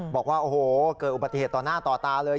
บอกว่าโอ้โหเกิดอุบัติเหตุต่อหน้าต่อตาเลย